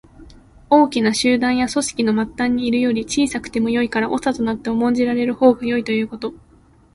大きな集団や組織の末端にいるより、小さくてもよいから長となって重んじられるほうがよいということ。